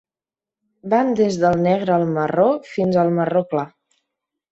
Van des del negre al marró fins al marró clar.